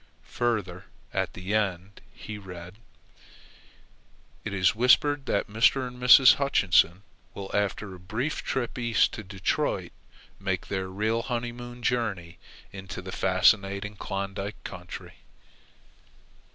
Further, and at the end, he read, "It is whispered that Mr. and Mrs. Hutchinson will, after a brief trip east to Detroit, make their real honeymoon journey into the fascinating Klondike country."